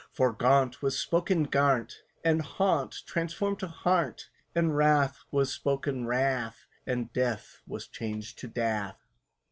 For "gaunt" was spoken "garnt," And "haunt" transformed to "harnt," And "wrath" pronounced as "rath," And "death" was changed to "dath."